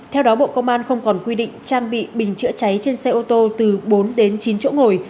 theo đó bộ công an không còn quy định trang bị bình chữa cháy trên xe ô tô từ bốn đến chín chỗ ngồi